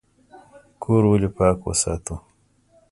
کور ولې پاک وساتو؟